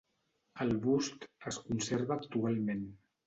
El bust es conserva actualment.